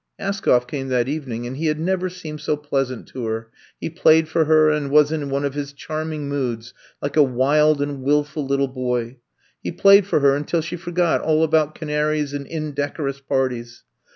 '* Askoflf came that evening and he had never seemed so pleasant to her. He played for her and was in one of his charm ing moods, like a wild and wilful little boy. He played for her until she forgot all about canaries and indecorous parties.